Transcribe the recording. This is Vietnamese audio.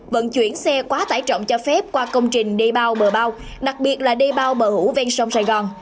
vận chuyển xe quá tải trọng cho phép qua công trình đê bao bờ bao đặc biệt là đê bao bờ hũ ven sông sài gòn